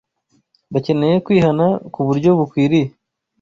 bakeneye kwihana ku buryo bukwiriye